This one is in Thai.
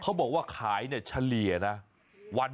เขาบอกว่าขายเนี่ยเฉลี่ยนะ